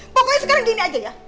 pokoknya sekarang gini aja ya